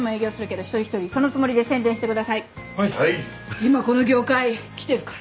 今この業界きてるから。